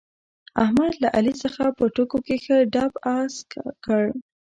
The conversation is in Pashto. احمد له علي څخه په ټوکو کې ښه دپ اسک کړ.